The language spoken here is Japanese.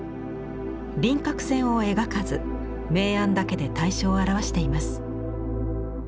輪郭線を描かず明暗だけで対象を表しています。